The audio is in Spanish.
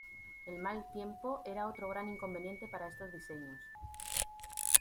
El mal tiempo era otro gran inconveniente para estos diseños.